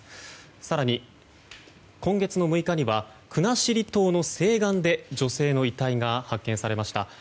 更に、今月の６日には国後島の西岸で女性の遺体が発見されました。